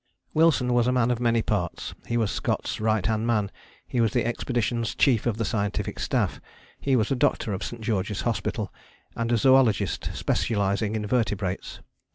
Wilson was a man of many parts. He was Scott's right hand man, he was the expedition's Chief of the Scientific Staff: he was a doctor of St. George's Hospital, and a zoologist specializing in vertebrates.